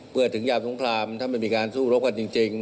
เพื่อถึงยามสงครามถ้ามันมีการสู้รบกันจริง